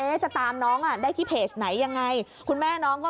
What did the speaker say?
จะตามน้องอ่ะได้ที่เพจไหนยังไงคุณแม่น้องก็